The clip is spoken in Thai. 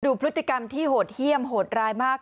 ดูพฤติกรรมที่โหดเยี่ยมโหดร้ายมาก